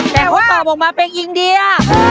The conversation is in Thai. แต่เขาตอบออกมาเป็นอินเดีย